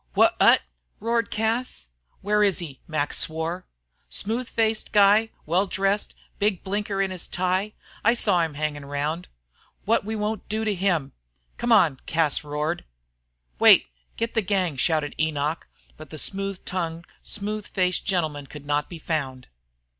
"Wha at?" roared Cas. "Where is he?" Mac swore. "Smooth faced guy, well dressed, big blinker in his necktie? I saw him hangin' round. What we won't do to him " "Come on!" roared Cas. "Wait; get the gang!" shouted Enoch. But the smooth tongued, smooth faced gentleman could not be found.